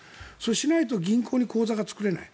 しないと銀行に口座が作れない。